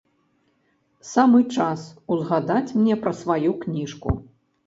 Самы час узгадаць мне пра сваю кніжку.